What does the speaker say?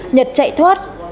nhật chạy thoát